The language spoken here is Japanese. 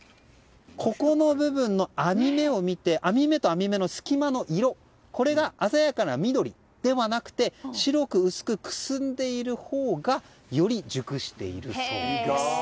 ここの部分の網目を見て網目と網目の隙間の色が鮮やかな緑ではなくて白く薄くくすんでいるほうがより熟しているそうです。